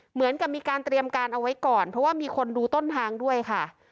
เหมือนกับมีการเตรียมการเอาไว้ก่อนเพราะว่ามีคนดูต้นทางด้วยค่ะ